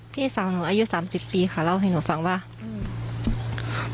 พี่สาวหนูอายุสามสิบปีค่ะเล่าให้หนูฟังว่าอืม